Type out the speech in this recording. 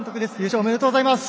おめでとうございます。